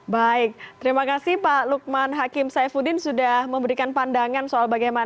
baik terima kasih pak lukman hakim saifuddin sudah memberikan pandangan soal bagaimana memaknai hari idul adha